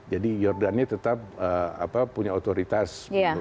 jadi yordania tetap punya otoritas